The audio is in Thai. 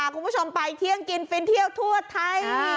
คุณผู้ชมไปเที่ยงกินฟินเที่ยวทั่วไทย